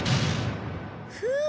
ふう。